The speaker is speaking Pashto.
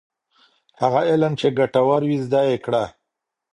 هغه علم چي ګټور وي زده یې کړه.